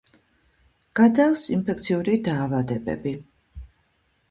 გადააქვს ინფექციური დაავადებები.